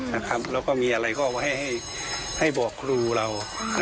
แล้วก็มีอะไรก็เอาไว้ให้บอกครูเรา